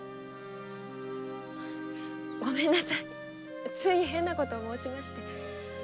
ごめんなさいつい変なことを申しまして。